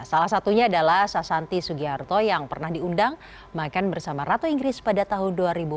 salah satunya adalah sasanti sugiharto yang pernah diundang makan bersama ratu inggris pada tahun dua ribu empat belas